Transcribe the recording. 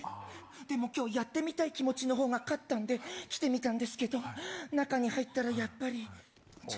でもきょう、やってみたい気持ちのほうが勝ったんで来てみたんですけど、中に入ったらやっぱり。